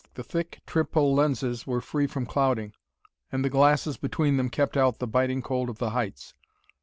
The thick triple lenses were free from clouding, and the glasses between them kept out the biting cold of the heights.